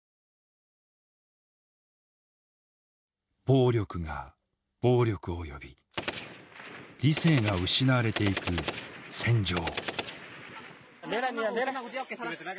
暴力が暴力を呼び理性が失われていく戦場。